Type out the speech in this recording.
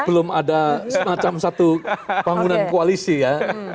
belum ada semacam satu bangunan koalisi ya